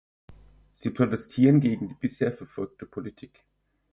Sie protestieren gegen die bisher verfolgte Politik.